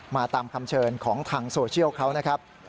ตามคำเชิญของทางโซเชียลเขานะครับ